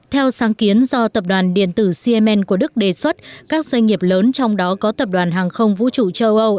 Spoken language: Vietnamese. theo sáng kiến do tập đoàn điện tử cm của đức đề xuất các doanh nghiệp lớn trong đó có tập đoàn hàng không vũ trụ châu âu